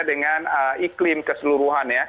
dengan iklim keseluruhan